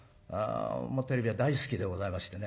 テレビは大好きでございましてね